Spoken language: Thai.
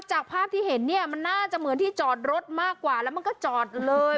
จากภาพที่เห็นเนี่ยมันน่าจะเหมือนที่จอดรถมากกว่าแล้วมันก็จอดเลย